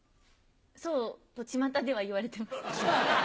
そうとちまたではいわれてます。